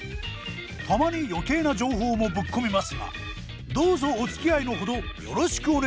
たまに余計な情報もぶっ込みますがどうぞおつきあいのほどよろしくお願いいたします。